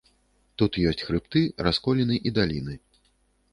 Тут ёсць хрыбты, расколіны і даліны.